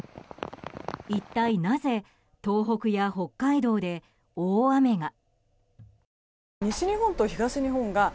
一体なぜ東北や北海道で大雨が。